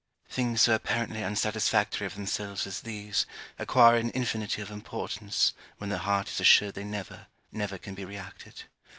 Things so apparently unsatisfactory of themselves as these acquire an infinity of importance when the heart is assured they never, never can be reacted.